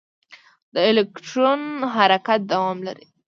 د الکترون حرکت دوام لري.